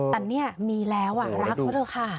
แต่เนี่ยมีแล้วรักเขาเถอะค่ะ